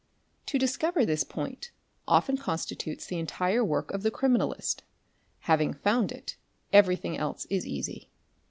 'To discover this point often constitutes the entire work of the criminalist ; having found it, every thing else is easy.